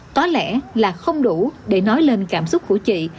có lẽ là không đủ để nói lên cảm xúc của chị